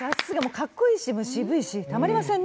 かっこいいし、渋いしたまりませんね。